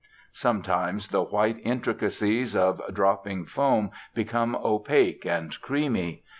Sometimes the white intricacies of dropping foam become opaque and creamy.